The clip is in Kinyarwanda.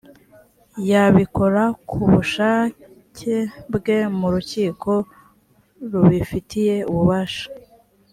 yabikora ku bushake bwe mu rukiko rubifitiye ububasha